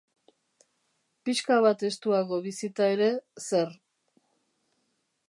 Pixka bat estuago bizita ere, zer.